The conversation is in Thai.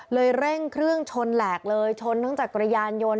เร่งเครื่องชนแหลกเลยชนทั้งจักรยานยนต์